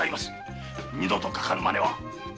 二度とかかるマネは。